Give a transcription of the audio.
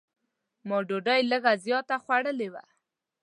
ما ډوډۍ لږ زیاته خوړلې وه.